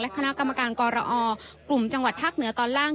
และคณะกรรมการกรอออกลุมจังหวัดทักเหนือตอนล่าง